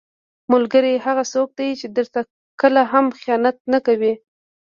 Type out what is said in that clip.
ملګری هغه څوک دی چې درته کله هم خیانت نه کوي.